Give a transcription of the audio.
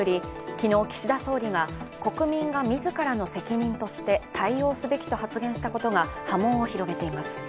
昨日、岸田総理が国民が自らの責任として対応すべきと発言したことが波紋を広げています。